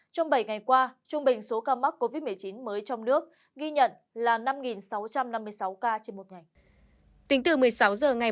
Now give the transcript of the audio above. trong bảy ngày qua trung bình số ca mắc covid một mươi chín mới trong nước ghi nhận là năm sáu trăm năm mươi sáu ca trên một ngày